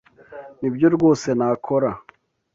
Nibyo rwose nakora.